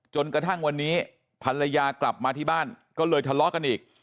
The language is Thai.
จนกระทั่งวันนี้ภรรยากลับมาที่บ้านก็เลยทะเลาะกันอีก